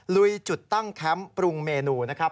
ลุยจุดตั้งแคมป์ปรุงเมนูนะครับ